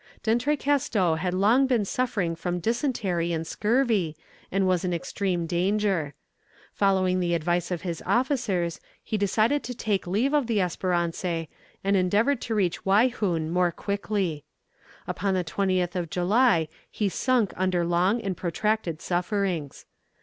D'Entrecasteaux had long been suffering from dysentery and scurvy, and was in extreme danger. Following the advice of his officers, he decided to take leave of the Espérance, and endeavoured to reach Waihoun more quickly. Upon the 20th of July he sunk under long and protracted sufferings.